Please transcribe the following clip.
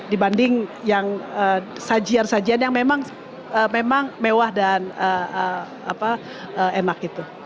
dibanding yang sajian sajian yang memang mewah dan enak gitu